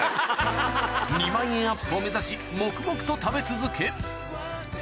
２万円アップを目指し黙々と食べ続け